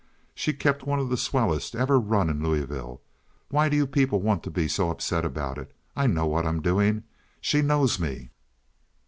She kept one of the swellest ever run in Louisville. What do you people want to be so upset about? I know what I'm doing. She knows me."